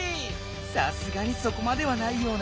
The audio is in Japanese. さすがにそこまではないような。